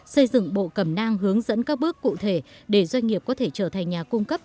xây dựng bộ cầm nang hướng dẫn các bước cụ thể để doanh nghiệp có thể trở thành nhà cung cấp